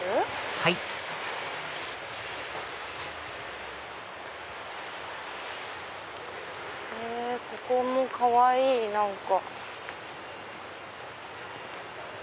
はいここもかわいい何か。